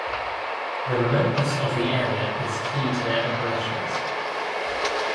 The remoteness of the area is key to their operations.